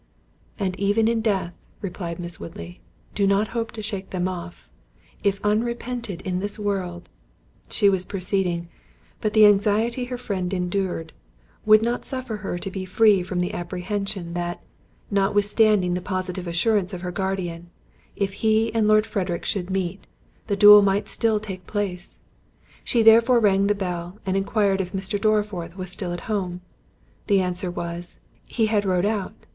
"And even in death," replied Miss Woodley, "do not hope to shake them off. If unrepented in this world"—— She was proceeding—but the anxiety her friend endured, would not suffer her to be free from the apprehension, that, notwithstanding the positive assurance of her guardian, if he and Lord Frederick should meet, the duel might still take place; she therefore rang the bell and enquired if Mr. Dorriforth was still at home?—the answer was—"He had rode out.